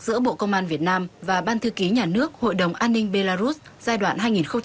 giữa bộ công an việt nam và ban thư ký nhà nước hội đồng an ninh belarus giai đoạn hai nghìn hai mươi ba hai nghìn hai mươi năm